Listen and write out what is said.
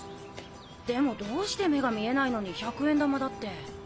でもどうして目が見えないのに１００円玉だって。